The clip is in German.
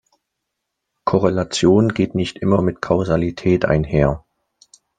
Korrelation geht nicht immer mit Kausalität einher.